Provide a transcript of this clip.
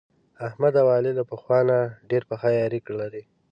احمد او علي له پخوا نه ډېره پخه یاري لري.